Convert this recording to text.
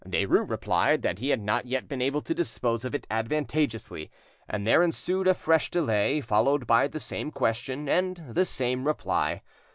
Derues replied that he had not yet been able to dispose of it advantageously, and there ensued a fresh delay, followed by the same question and the same reply.